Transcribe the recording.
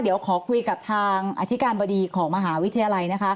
เดี๋ยวขอคุยกับทางอธิการบดีของมหาวิทยาลัยนะคะ